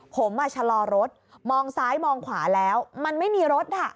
ผมชะลอรถมองซ้ายมองขวาแล้วมันไม่มีรถอ่ะ